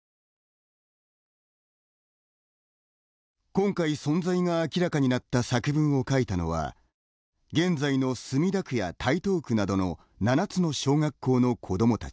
今回存在が明らかになった作文を書いたのは現在の墨田区や台東区などの７つの小学校の子どもたち。